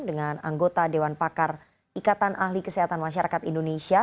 dengan anggota dewan pakar ikatan ahli kesehatan masyarakat indonesia